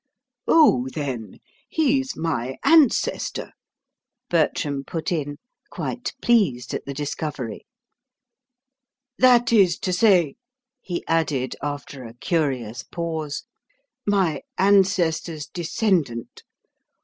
"Oh, then, he's my ancestor," Bertram put in, quite pleased at the discovery. "That is to say," he added after a curious pause, "my ancestor's descendant.